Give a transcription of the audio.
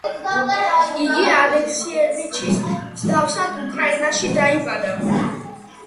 იგი ალექსიევიჩის მსგავსად უკრაინაში დაიბადა.